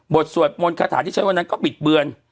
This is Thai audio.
สวดมนต์คาถาที่ใช้วันนั้นก็บิดเบือน